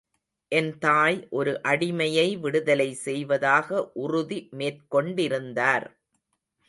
என் தாய் ஒரு அடிமையை விடுதலை செய்வதாக உறுதி மேற்கொண்டிருந்தார்.